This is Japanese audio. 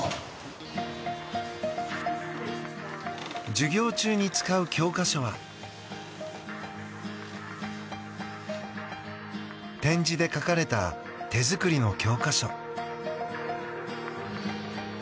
授業中に使う教科書は点字で書かれた手作りの教科書。